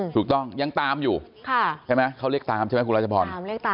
ถูกต้องยังตามอยู่ใช่มั้ยเขาเลขตามใช่มั้ยครูราชบร